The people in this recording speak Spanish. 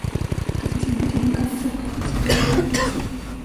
Casi siempre tienen cabezas, brazos y piernas móviles.